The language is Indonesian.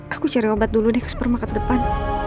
aku cari obat dulu deh ke supermarket depan